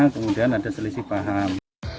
kemudian ada selisih paham